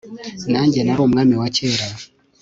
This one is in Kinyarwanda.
Nanjye nari umwami wa kera